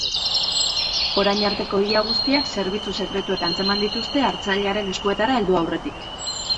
Orain arteko ia guztiak zerbitzu sekretuek atzeman dituzte, hartzailearen eskuetara heldu aurretik.